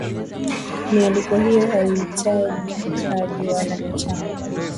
mialiko hiyo haihitaji kadi wala michango